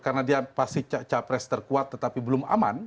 karena dia pasti cawapres terkuat tetapi belum aman